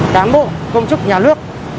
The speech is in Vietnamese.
cán bộ công chức nhà nước